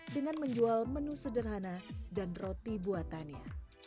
dan menjual menu sederhana dan roti buatannya